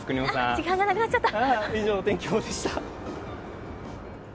時間がなくなっちゃった。